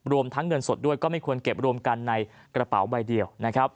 ทั้งเงินสดด้วยก็ไม่ควรเก็บรวมกันในกระเป๋าใบเดียวนะครับ